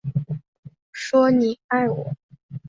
说你爱我